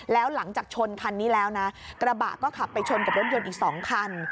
แล้วหลังจากชนคันนี้แล้วนะกระบะก็ขับไปชนกับรถยนต์อีก๒คัน